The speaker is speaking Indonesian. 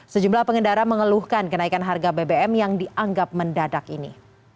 sejumlah pengendara mengeluhkan kenaikan harga bbm yang dianggap mendadak ini